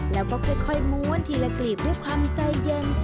แล้วก็ค่อยม้วนทีละกรีบด้วยความใจเย็น